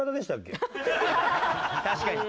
確かに。